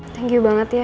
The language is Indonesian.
terima kasih banget ya